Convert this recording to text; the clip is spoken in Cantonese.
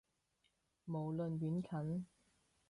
無論遠近